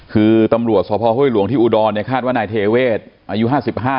คือตำรวจสฮห้วยลวงที่อุดอนคาดว่านายเทเวช